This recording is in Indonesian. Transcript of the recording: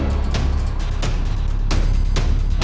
apa k stole mah hu